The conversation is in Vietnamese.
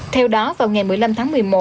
theo đó vào ngày một mươi năm tháng một mươi một